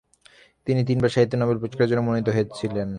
তিনি তিনবার সাহিত্যে নোবেল পুরস্কারের জন্য মনোনীত হয়েছিলেন।